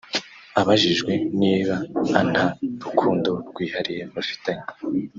Abajijwe nib anta rukundo rwihariye bafitanye